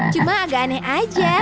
cuma agak aneh saja